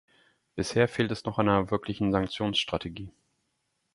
Bisher fehlt es noch an einer wirklichen Sanktionsstrategie.